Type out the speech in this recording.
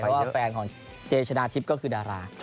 เพราะแฟนของเจชนาธิบคือดารา